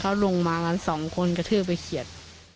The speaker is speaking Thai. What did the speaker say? เขาลงมากันสองคนกระทืบไปเขียด